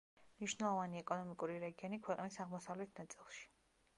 მნიშვნელოვანი ეკონომიკური რეგიონი ქვეყნის აღმოსავლეთ ნაწილში.